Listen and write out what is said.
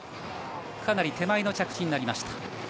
かなり手前の着地になりました。